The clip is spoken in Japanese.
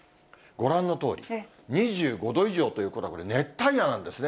ご覧のとおり２５度以上ということは、今度はこれ、熱帯夜なんですね。